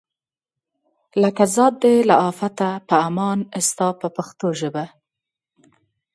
لکه ذات دی له آفته په امان ستا په پښتو ژبه.